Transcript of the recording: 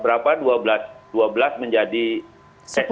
atau dia memang tidak bisa dilapasi